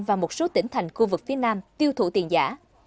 và một số tỉnh thành khu vực phía nam tiêu thụ tiền giả